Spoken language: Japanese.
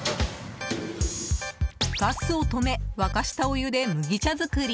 ガスを止め沸かしたお湯で麦茶作り。